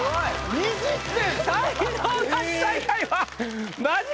２０点？